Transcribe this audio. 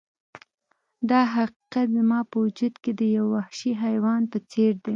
دا حقیقت زما په وجود کې د یو وحشي حیوان په څیر دی